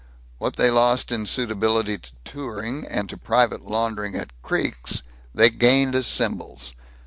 What they lost in suitability to touring and to private laundering at creeks, they gained as symbols.